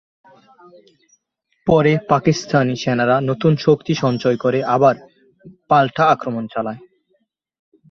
পরে পাকিস্তানি সেনারা নতুন শক্তি সঞ্চয় করে আবার পাল্টা আক্রমণ চালায়।